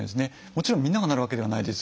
もちろんみんながなるわけではないです。